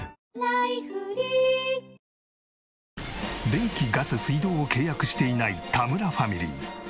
電気ガス水道を契約していない田村ファミリー。